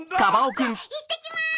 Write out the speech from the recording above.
じゃいってきます！